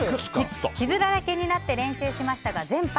傷だらけになって練習しましたが全敗。